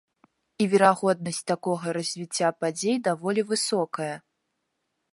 І верагоднасць такога развіцця падзей даволі высокая.